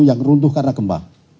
yang runtuh karena gempa